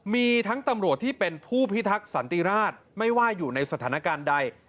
มีทั้งตำรวจที่เป็นผู้พิทักษ์สันติราชไม่ว่าอยู่ในสถานการณ์ใด